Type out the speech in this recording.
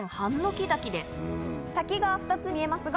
滝が２つ見えますが。